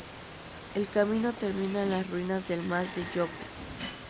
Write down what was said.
El camino termina en las ruinas del Mas de Llopis.